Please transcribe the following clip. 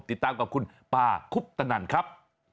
ติดตามกับคุณป่าคุปตนันครับ